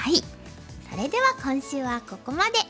それでは今週はここまで。